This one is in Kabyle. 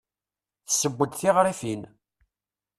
Tesseww-d tiɣrifin.